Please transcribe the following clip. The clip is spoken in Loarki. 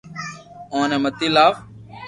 او ني متي لاو